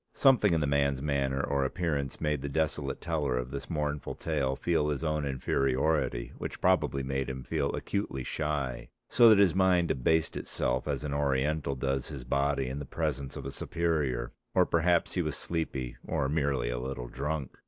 Something in the man's manner or appearance made the desolate teller of this mournful tale feel his own inferiority, which probably made him feel acutely shy, so that his mind abased itself as an Oriental does his body in the presence of a superior, or perhaps he was sleepy, or merely a little drunk.